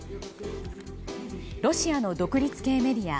ロシアの独立系メディア